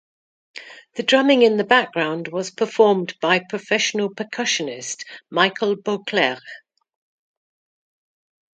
The drumming in the background was performed by professional percussionist Michael Beauclerc.